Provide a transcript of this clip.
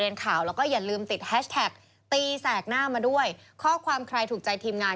ชูวิตตีแสกหน้า